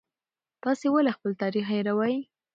تاسې ولې خپل تاریخ هېروئ؟